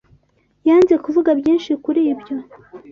Yanze kuvuga byinshi kuri ibyo.